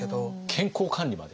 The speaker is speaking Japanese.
健康管理まで？